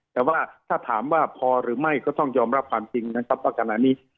แต่ว่าถ้าถามว่าพอหรือไม่ก็ต้องยอมรับความจริงนะครับว่าขณะนี้